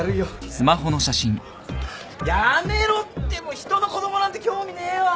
やめろってもう人の子供なんて興味ねえわ。